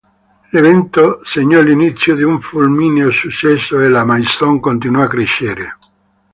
L'evento segnò l'inizio di un fulmineo successo e la Maison continuò a crescere.